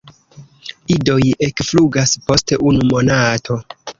Idoj ekflugas post unu monato.